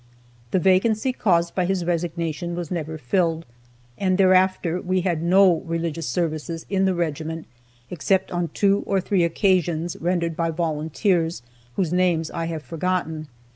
The vacancy caused by his resignation was never filled, and thereafter we had no religious services in the regiment except on two or three occasions, rendered by volunteers, whose names I have forgotten.